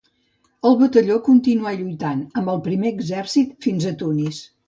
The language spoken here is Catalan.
El batalló continuà lluitant amb el Primer Exèrcit fins a Tunis.